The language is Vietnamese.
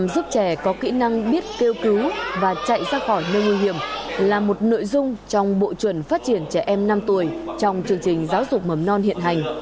việc giảng dạy ra khỏi nơi nguy hiểm là một nội dung trong bộ chuẩn phát triển trẻ em năm tuổi trong chương trình giáo dục mầm non hiện hành